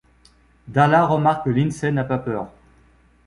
Darla remarque que Lindsey n'a pas peur.